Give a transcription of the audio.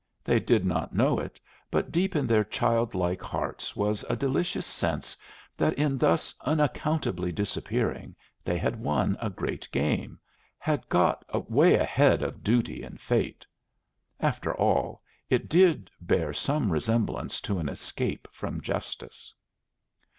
They did not know it, but deep in their childlike hearts was a delicious sense that in thus unaccountably disappearing they had won a great game, had got away ahead of Duty and Fate. After all it did bear some resemblance to an escape from justice.